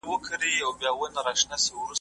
تاسي کله په غونډې کي ګډون کړی دی؟